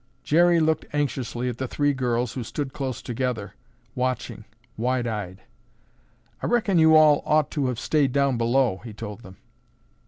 Jerry looked anxiously at the three girls who stood close together watching, wide eyed. "I reckon you all ought to have stayed down below," he told them.